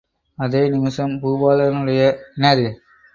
அதே நிமிஷம் பூபாலனுடைய நாய்க்குட்டி அங்கு வந்து நின்றது.